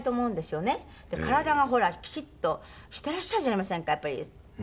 体がほらきちっとしていらっしゃるじゃありませんかやっぱり。